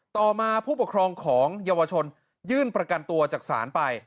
ต่อมาผู้ปกครองของเยาวชนยื่นประกันตัวจากศาลไป